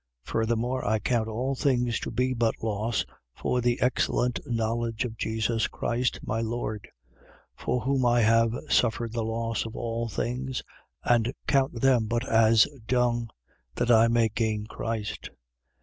3:8. Furthermore, I count all things to be but loss for the excellent knowledge of Jesus Christ, my Lord: for whom I have suffered the loss of all things and count them but as dung, that I may gain Christ.